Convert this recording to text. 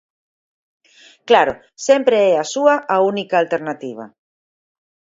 Claro, sempre é a súa a única alternativa.